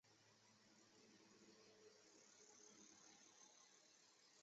并且从此不断派遣使者到金国求和要迎韦氏回南宋。